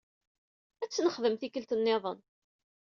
Ad tt-nexdem tikkelt nniḍen.